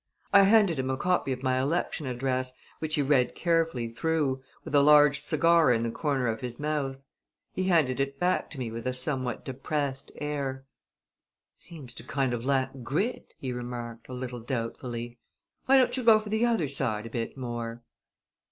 I handed him a copy of my election address, which he read carefully through, with a large cigar in the corner of his mouth. He handed it back to me with a somewhat depressed air. "Seems to kind of lack grit," he remarked, a little doubtfully. "Why don't you go for the other side a bit more?"